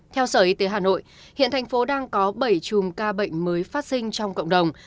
theo sở y tế hà nội hiện thành phố đang có bảy chùm ca bệnh mới phát sinh trong cộng đồng